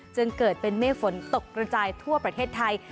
จึงเกิดเป็นเมฆฝนตกกระจายทั่วประเทศไทย